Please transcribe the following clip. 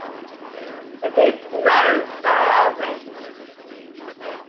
The film grossed average.